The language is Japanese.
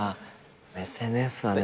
ＳＮＳはね。